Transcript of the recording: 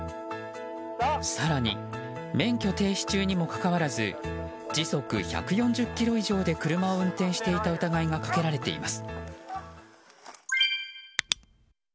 更に、免許停止中にもかかわらず時速１４０キロ以上で車を運転していた疑いがかけられています。